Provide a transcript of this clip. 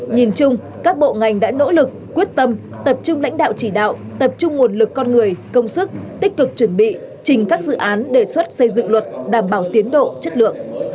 nhìn chung các bộ ngành đã nỗ lực quyết tâm tập trung lãnh đạo chỉ đạo tập trung nguồn lực con người công sức tích cực chuẩn bị trình các dự án đề xuất xây dựng luật đảm bảo tiến độ chất lượng